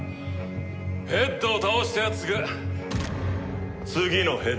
ヘッドを倒したやつが次のヘッドだ。